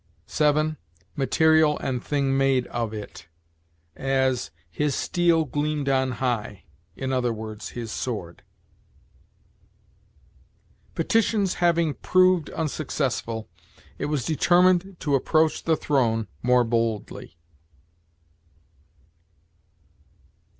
7. Material and thing made of it; as, 'His steel gleamed on high,' i. e., his sword." "Petitions having proved unsuccessful, it was determined to approach the throne more boldly."